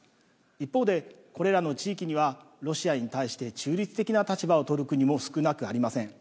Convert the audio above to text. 一方で、これらの地域にはロシアに対して中立的な立場をとる国も少なくありません。